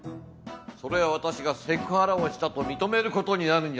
それは私がセクハラをしたと認める事になるんじゃないか？